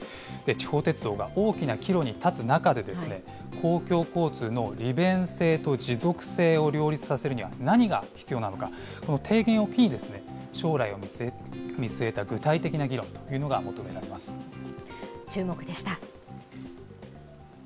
地方鉄道が大きな岐路に立つ中で、公共交通の利便性と持続性を両立させるには、何が必要なのか、この提言を機に、将来を見据えた具体的な議論というのが求められチューモク！でした。